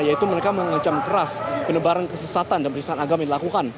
yaitu mereka mengencam keras penyebaran kesesatan dan peristahan agama yang dilakukan